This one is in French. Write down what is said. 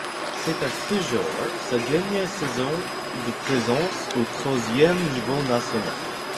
C'est à ce jour sa dernière saison de présence au troisième niveau national.